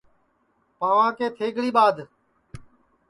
پاواں کے تھیگݪی ٻادھ